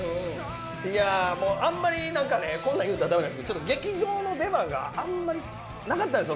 あんまりなんかねこんな言うたら駄目ですけど劇場の出番があんまりなかったんですよ